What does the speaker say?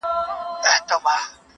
يو په يو به حقيقت بيانومه،